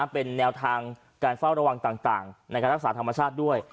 เป็นแนวทางการเฝ้าระวังต่างในการรักษาธรรมชาติด้วย